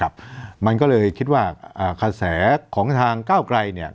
มันก็เลยคิดว่าอ่ากระแสของทางก้าวไกลเนี่ย